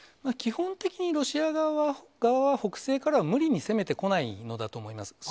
基本的にロシア側は、北西から無理に攻めてこないのだと思います。